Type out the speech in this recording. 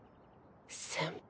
先輩。